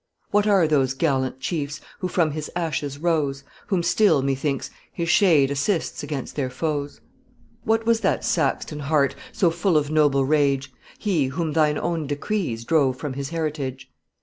What are those gallant chiefs, who from his ashes rose, Whom still, methinks, his shade assists against their foes? The Swedes. Gustavus Adolphus. What was that Saxon heart, so full of noble rage, He, whom thine own decrees drove from his heritage?